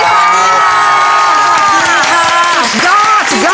สวัสดีค่ะ